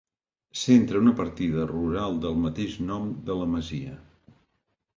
Centra una partida rural del mateix nom de la masia.